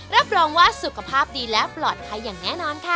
รับรองว่าสุขภาพดีและปลอดภัยอย่างแน่นอนค่ะ